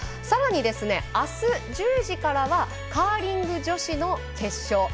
さらに、あす１０時からはカーリング女子の決勝。